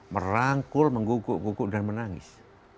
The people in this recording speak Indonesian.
merangkul menggukuk guguk dan menangis